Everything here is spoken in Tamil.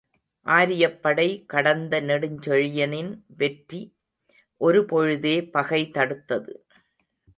ஆரியப்படை கடந்த நெடுஞ்செழியனின் வெற்றி ஒரு பொழுதே பகை தடுத்தது.